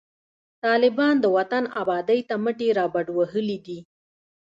طالبان د وطن آبادۍ ته مټي رابډوهلي دي